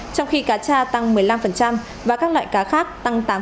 trong khi cá cha tăng một mươi năm và các loại cá khác tăng tám